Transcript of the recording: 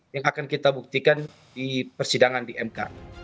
dan ini akan kita buktikan di persidangan di mk